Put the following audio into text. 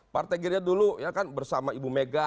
partai gerindra dulu bersama ibu mega